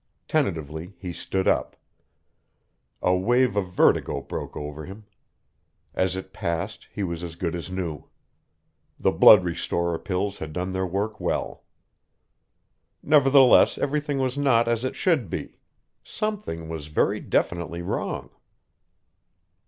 Tentatively, he stood up. A wave of vertigo broke over him. After it passed, he was as good as new. The blood restorer pills had done their work well. Nevertheless, everything was not as it should be. Something was very definitely wrong.